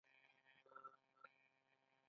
د علامه رشاد لیکنی هنر مهم دی ځکه چې سبک ځانګړی دی.